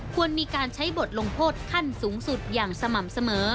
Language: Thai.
ควรมีการใช้บทลงโทษขั้นสูงสุดอย่างสม่ำเสมอ